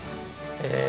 え。